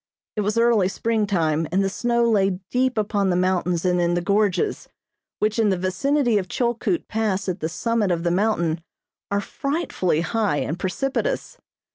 It was early springtime and the snow lay deep upon the mountains and in the gorges, which, in the vicinity of Chilkoot Pass at the summit of the mountain are frightfully high and precipitous.